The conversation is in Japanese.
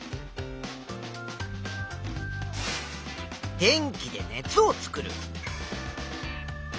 「電気で熱を作る」。